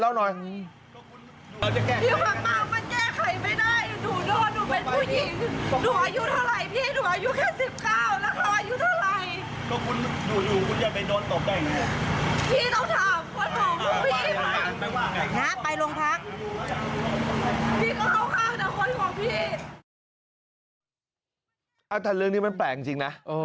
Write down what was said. อันถัดเรื่องนี้มันแปลกจริง